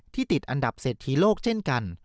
ติดอันดับเศรษฐีโลกเช่นกัน